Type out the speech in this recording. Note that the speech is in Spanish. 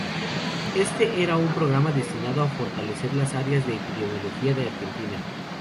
Éste era un programa destinado a fortalecer las áreas de Epidemiología de Argentina.